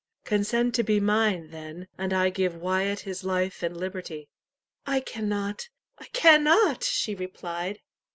Consent to be mine, then, and I give Wyat his life and liberty." "I cannot I cannot!" she replied.